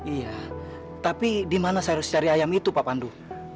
iya tapi di mana saya harus cari ayam itu pak pandu